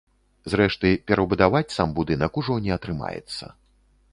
Зрэшты, перабудаваць сам будынак ужо не атрымаецца.